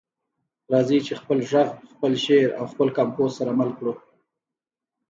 راځئ چې خپل غږ، خپل شعر او خپل کمپوز سره مل کړو.